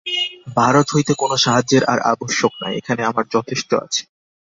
ভারত হইতে কোন সাহায্যের আর আবশ্যক নাই, এখানে আমার যথেষ্ট আছে।